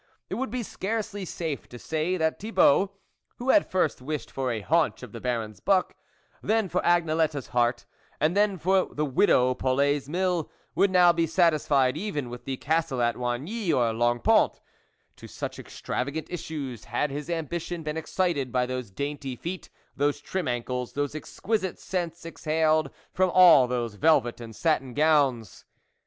It would be scarcely safe to say that Thibault, who had first wished for a haunch of the Baron's buck, then for Agnelette's heart, and then for the widow Polet's mill, would now be satis fied even with the Castle at Oigny or Longpont, to such extravagant issues had his ambition been excited by those dainty feet, those trim ankles, those exquisite scents exhaled from all those velvet and satin gowns.